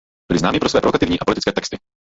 Byli známí pro své provokativní a politické texty.